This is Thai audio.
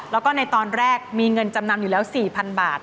แล้วก็ในตอนแรกมีเงินจำนำอยู่แล้ว๔๐๐๐บาท